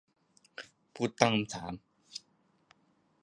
ผู้ตั้งคำถาม